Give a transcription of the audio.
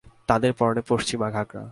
তাদের পরনে পশ্চিমা ঘাগরা।